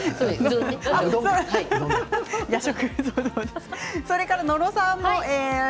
夜食。